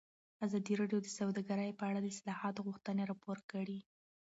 ازادي راډیو د سوداګري په اړه د اصلاحاتو غوښتنې راپور کړې.